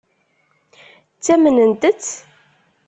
Ttamnent-tt?